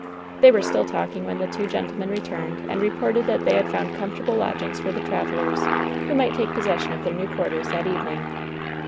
They were still talking when the two gentlemen re turned, and reported that they had found comfortable lodgings for the travelers, who might take possession of their new quarters that evening.